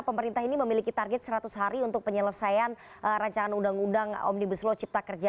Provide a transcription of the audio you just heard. pemerintah ini memiliki target seratus hari untuk penyelesaian rancangan undang undang omnibus law cipta kerja